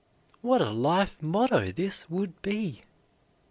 What a life motto this would be!